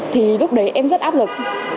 thì lúc đấy em rất áp lực